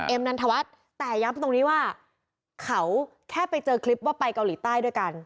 นันทวัฒน์แต่ย้ำตรงนี้ว่าเขาแค่ไปเจอคลิปว่าไปเกาหลีใต้ด้วยกัน